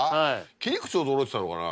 切り口驚いてたのかな？